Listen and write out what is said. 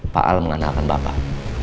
pak al mengandalkan bapak